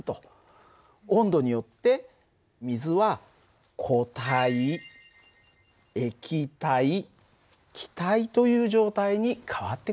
温度によって水は固体液体気体という状態に変わってくんだね。